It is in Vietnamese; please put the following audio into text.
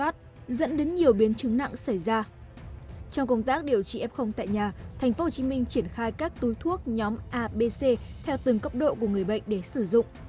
thành phố hồ chí minh triển khai các túi thuốc nhóm abc theo từng cộng độ của người bệnh để sử dụng